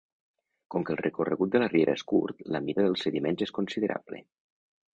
Com que el recorregut de la riera és curt, la mida dels sediments és considerable.